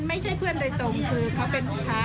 ไม่ใช่เพื่อนโดยตรงคือ